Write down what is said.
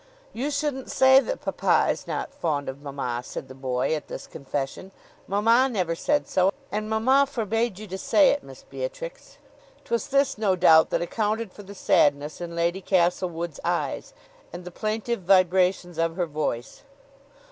"You shouldn't say that papa is not fond of mamma," said the boy, at this confession. "Mamma never said so; and mamma forbade you to say it, Miss Beatrix." 'Twas this, no doubt, that accounted for the sadness in Lady Castlewood's eyes, and the plaintive vibrations of her voice.